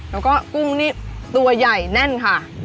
แล้วก็กุ้งนี่ตัวใหญ่แน่นค่ะ